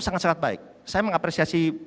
sangat sangat baik saya mengapresiasi